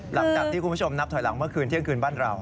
หลังจากที่คุณผู้ชมนับถอยหลังเมื่อคืนเที่ยงคืนบ้านเรา